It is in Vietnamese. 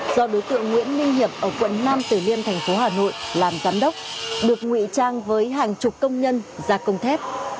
do đối tượng nguyễn ninh hiệp ở quận năm tử liên thành phố hà nội làm giám đốc được ngụy trang với hàng chục công nhân ra công thép